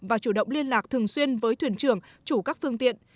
và chủ động liên lạc thường xuyên với thuyền trưởng chủ các phương tiện